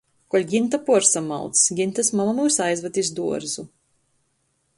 Kuoļ Ginta puorsamauc, Gintys mama myus aizvad iz duorzu.